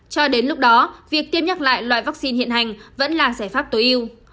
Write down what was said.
cho đến lúc đó việc tiêm nhắc lại loại vaccine hiện hành vẫn là giải pháp tối ưu